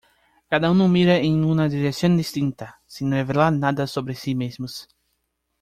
Cada uno mira en una dirección distinta, sin revelar nada sobre sí mismos.